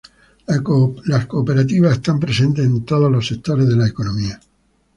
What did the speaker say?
Las cooperativas están presentes en todos los sectores de la economía.